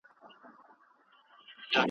د حملې وروسته پښېماني د چلند یوه برخه ده.